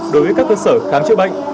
đối với các cơ sở khám chữa bệnh